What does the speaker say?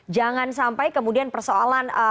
jangan sampai kemudian persoalan